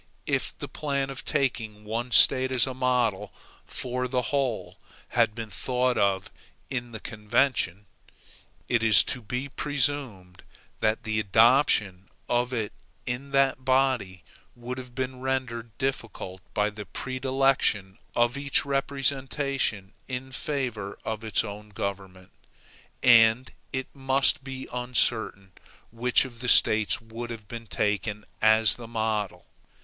If the plan of taking one State as a model for the whole had been thought of in the convention, it is to be presumed that the adoption of it in that body would have been rendered difficult by the predilection of each representation in favor of its own government; and it must be uncertain which of the States would have been taken as the model.